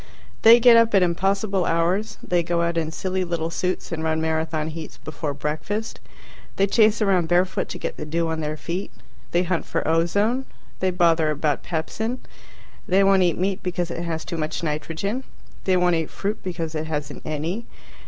They get up at impossible hours. They go out in silly little suits and run Marathon heats before breakfast. They chase around barefoot to get the dew on their feet. They hunt for ozone. They bother about pepsin. They won't eat meat because it has too much nitrogen. They won't eat fruit because it hasn't any.